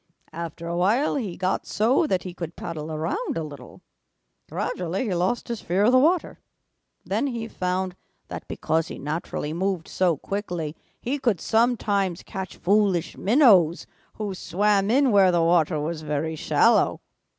After a while he got so that he could paddle around a little. Gradually he lost his fear of the water. Then he found that because he naturally moved so quickly he could sometimes catch foolish minnows who swam in where the water was very shallow.